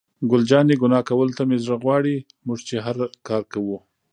ګل جانې: ګناه کولو ته مې زړه غواړي، موږ چې هر کار کوو.